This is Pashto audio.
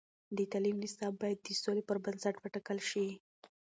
د تعلیم نصاب باید د سولې پر بنسټ وټاکل شي.